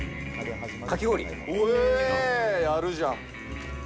やるじゃん。